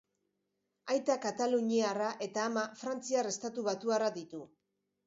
Aita kataluniarra eta ama frantziar-estatubatuarra ditu.